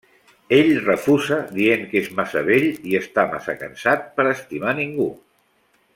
Ell refusa dient que és massa vell i està massa cansat per estimar ningú.